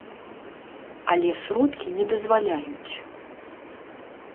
Але сродкі не дазваляюць.